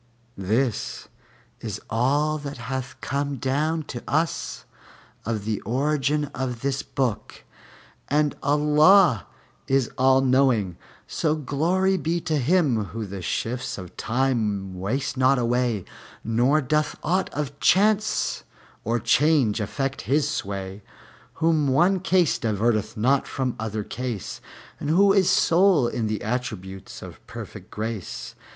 This is all that hath come down to us of the origin of this book, and Allah is All knowing. So Glory be to Him Whom the shifts of Time waste not away, nor doth aught of chance or change affect His sway! Whom one case diverteth not from other case, and Who is sole in the attributes of perfect grace.